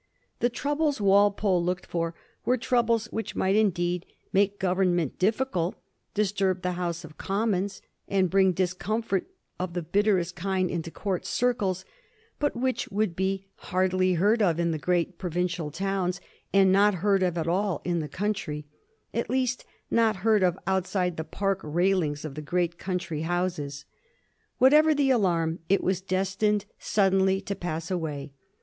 The troubles Walpole looked for were troubles which might indeed make government difficult, disturb the House of Commons, and bring dis comfort of the bitterest kind into Court circles, but which would be hardly heard of in the great provincial towns, and not heard of at all in the country — ^at least not heard of outside the park railings of the great country houses. Whatever the alarm, it was destined suddenly to pass away.